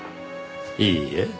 いいえ。